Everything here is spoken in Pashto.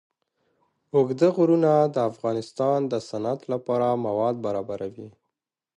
اوږده غرونه د افغانستان د صنعت لپاره مواد برابروي.